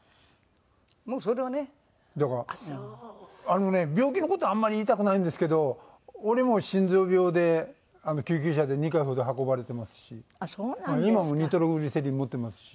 あのね病気の事あんまり言いたくないんですけど俺も心臓病で救急車で２回ほど運ばれてますし今もニトログリセリン持ってますし。